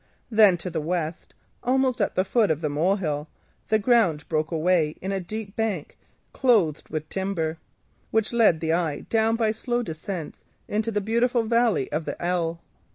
Then, to the west, almost at the foot of Molehill, the ground broke away in a deep bank clothed with timber, which led the eye down by slow descents into the beautiful valley of the Ell.